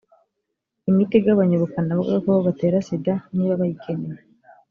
imiti igabanya ubukana bw agakoko gatera sida niba bayikeneye